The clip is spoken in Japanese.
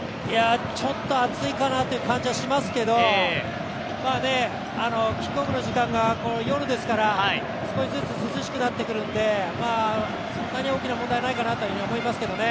ちょっと暑いかなっていう感じはしますけど、キックオフの時間が夜ですからすこしずつ涼しくなっていくんでそんなに大きな問題はないかなと思いますけどね。